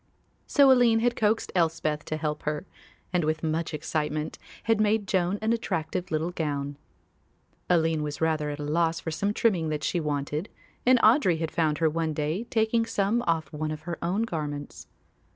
So Aline had coaxed Elspeth to help her, and, with much excitement, had made Joan an attractive little gown. Aline was rather at a loss for some trimming that she wanted and Audry had found her one day taking some off one of her own garments.